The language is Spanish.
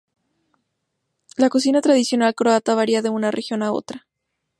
La cocina tradicional croata varía de una región a otra.